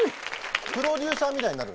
プロデューサーみたいになる。